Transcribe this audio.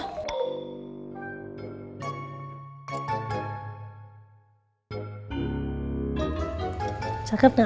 mak makasih udah nangis